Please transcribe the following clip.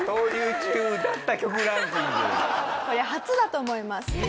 初だと思います。